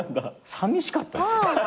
さみしかったんですよ。